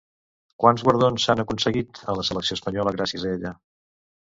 Quants guardons s'han aconseguit en la Selecció espanyola gràcies a ella?